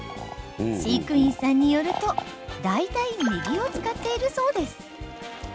飼育員さんによると大体右を使っているそうです。